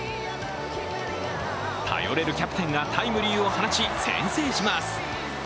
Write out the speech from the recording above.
頼れるキャプテンがタイムリーを放ち先制します。